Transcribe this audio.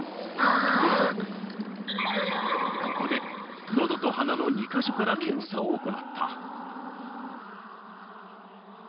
ここでのどと鼻の２か所から検査を行った。